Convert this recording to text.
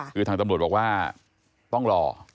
คือทางตำรวจบอกว่าต้องรอ